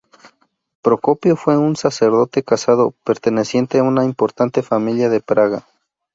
Procopio fue un sacerdote casado, perteneciente a una importante familia de Praga.